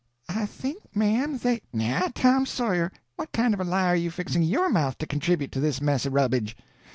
"I think, m'm, they—" "Now, Tom Sawyer, what kind of a lie are you fixing your mouth to contribit to this mess of rubbage?